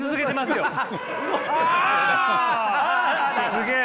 すげえ。